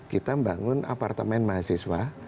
kita membangun apartemen mahasiswa